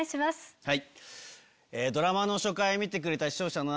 はい。